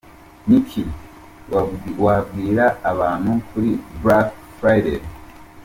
Q: Niki wabwira abantu kuri black Friday?.